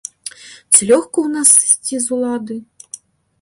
Ці лёгка ў нас сысці з улады?